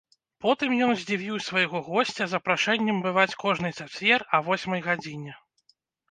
Потым ён здзівіў свайго госця запрашэннем бываць кожны чацвер а восьмай гадзіне.